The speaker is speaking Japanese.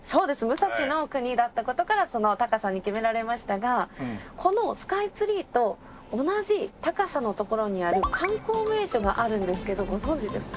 武蔵の国だった事からその高さに決められましたがこのスカイツリーと同じ高さの所にある観光名所があるんですけどご存じですか？